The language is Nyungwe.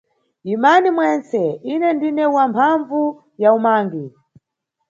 Imani mwentse, ine ndine wa mphambvu ya umangi.